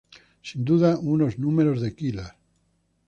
Sin duda unos números de Killer.